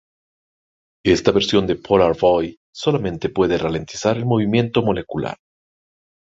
Esta versión de Polar Boy solamente puede ralentizar el movimiento molecular.